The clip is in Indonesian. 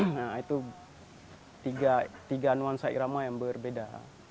nah itu tiga nuansa irama yang berbeda